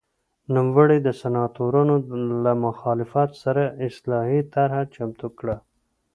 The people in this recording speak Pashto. نوموړي د سناتورانو له مخالفت سره اصلاحي طرحه چمتو کړه